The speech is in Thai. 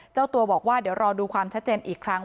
เจ้าตัวบอกว่าเดี๋ยวรอดูความชัดเจนอีกครั้ง